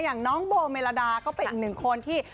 อย่างน้องโบเมลาดาก็เป็นอีกหนึ่งคนที่